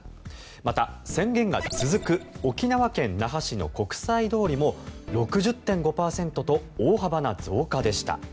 また、宣言が続く沖縄県那覇市の国際通りも６０．５％と大幅な増加でした。